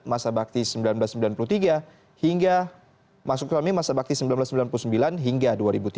masa bakti seribu sembilan ratus sembilan puluh tiga hingga masuk ke dalamnya masa bakti seribu sembilan ratus sembilan puluh sembilan hingga dua ribu tiga belas